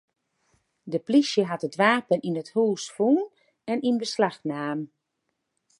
De plysje hat it wapen yn it hús fûn en yn beslach naam.